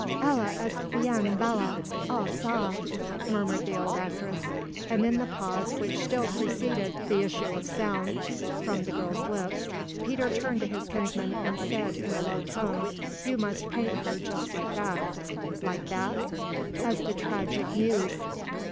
"Elle est bien belle ah ça," murmured the old actress; and in the pause which still preceded the issue of sound from the girl's lips Peter turned to his kinsman and said in a low tone: "You must paint her just like that." "Like that?" "As the Tragic Muse."